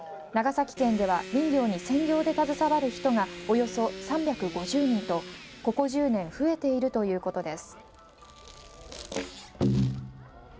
長崎県では林業に専業で携わる人がおよそ３５０人とここ１０年増えているということです。